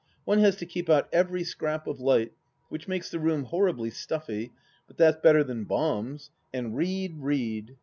One has to keep out every scrap of light, which makes the room horribly stuffy, but that's better than bombs— and read, read.